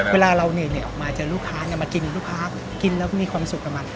เวลาเราเหนื่อยออกมาเจอลูกค้ามากินลูกค้ากินแล้วมีความสุขกับมัน